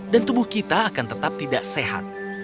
dan tubuh kita akan tetap tidak sehat